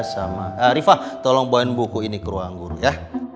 sama arifah tolong bawain buku ini ke ruang guru ya